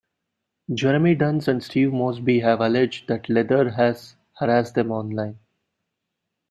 Jeremy Duns and Steve Mosby have alleged that Leather has harassed them online.